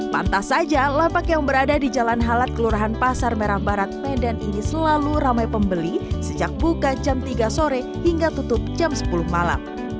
pantas saja lapak yang berada di jalan halat kelurahan pasar merah barat medan ini selalu ramai pembeli sejak buka jam tiga sore hingga tutup jam sepuluh malam